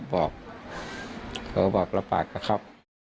บอกเขาก็บอกรับปากนะครับ